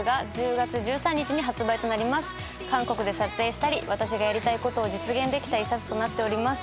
韓国で撮影したり私がやりたいことを実現できた一冊となっております。